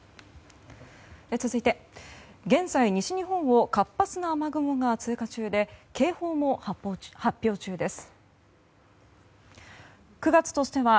続いて、現在西日本を活発な雨雲が通過中で警報も発表中です。